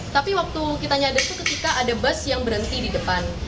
tapi waktu kita nyada itu ketika ada bus yang berhenti di depan